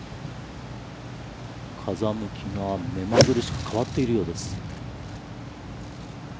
風向きが目まぐるしく変わっているようです。